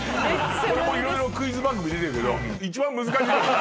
俺も色々クイズ番組出てるけど一番難しいと思う。